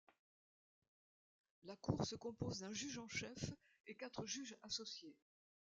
La Cour se compose d'un juge en chef et quatre juges associés.